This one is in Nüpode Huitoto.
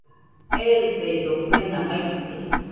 Eɨfedo kuena baite